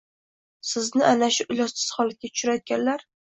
Sizni ana shu ilojsiz holatga tushirayotganlar –